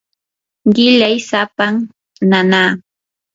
qillay sapam nanaa.